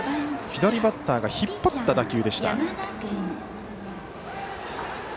左バッターが引っ張った打球でした。